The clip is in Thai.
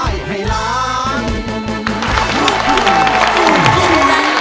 เย้